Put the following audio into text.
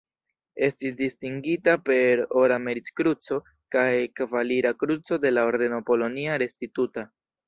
Estis distingita per Ora Merit-Kruco kaj Kavalira Kruco de la Ordeno Polonia Restituta.